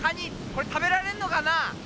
これ、食べられるのかな？